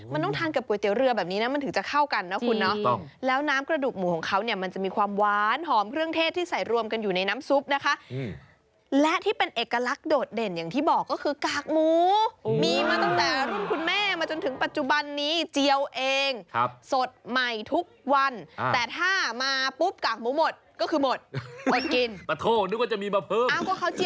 มันต้องทานกับก๋วยเตี๋ยวเรือแบบนี้นะมันถึงจะเข้ากันนะคุณเนาะแล้วน้ำกระดูกหมูของเขาเนี่ยมันจะมีความหวานหอมเครื่องเทศที่ใส่รวมกันอยู่ในน้ำซุปนะคะและที่เป็นเอกลักษณ์โดดเด่นอย่างที่บอกก็คือกากหมูมีมาตั้งแต่รุ่นคุณแม่มาจนถึงปัจจุบันนี้เจียวเองสดใหม่ทุกวันแต่ถ้ามาปุ๊บกากหมูหมดก็คือหมดหมด